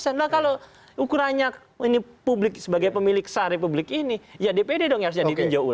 saya bilang kalau ukurannya ini publik sebagai pemilik sah republik ini ya dpd dong yang harusnya ditinjau ulang